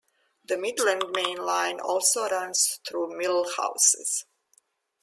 The Midland Main Line also runs through Millhouses.